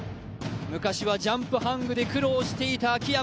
昔はジャンプハングで苦労していた秋山。